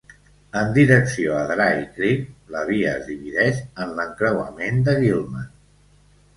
En direcció a Dry Creek, la via es divideix en l'encreuament de Gillman.